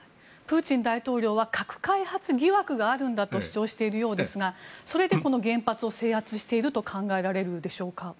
プーチン大統領は核開発疑惑があると主張しているようですがそれでこの原発を制圧していると考えられるでしょうか。